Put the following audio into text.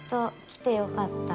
来れてよかった。